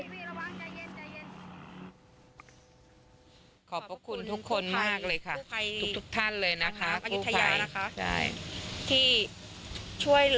ขอบพระคุณทุกคนมากเลยค่ะทุกท่านเลยนะคะทุกใคร